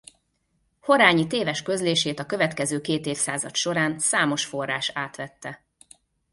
Horányi téves közlését a következő két évszázad során számos forrás átvette.